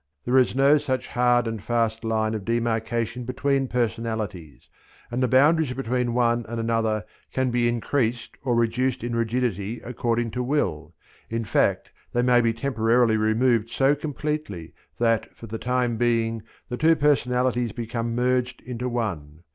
There is no such hard and fast line of demarcation between personalities, and the boundaries between one and another can be increased or reduced in rigidity according to will, in fact they may be temporarily removed so completely that, for the time being, the two personalities become merged into one.